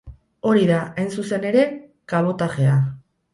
Hori da, hain zuzen ere, kabotajea.